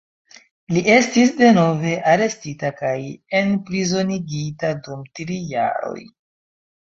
Li estis denove arestita kaj enprizonigita dum tri jaroj.